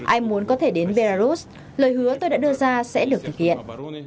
ai muốn có thể đến belarus lời hứa tôi đã đưa ra sẽ được thực hiện